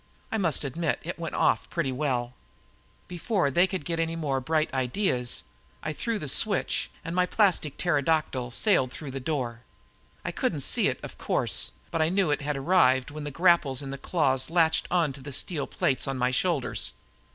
I must admit it went off pretty well. Before they could get any more bright ideas, I threw the switch and my plastic pterodactyl sailed in through the door. I couldn't see it, of course, but I knew it had arrived when the grapples in the claws latched onto the steel plates on my shoulders.